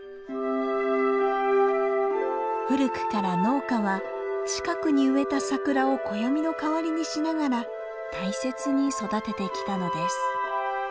古くから農家は近くに植えたサクラを暦の代わりにしながら大切に育ててきたのです。